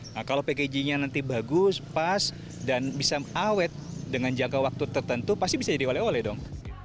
nah kalau packagingnya nanti bagus pas dan bisa awet dengan jangka waktu tertentu pasti bisa jadi oleh oleh dong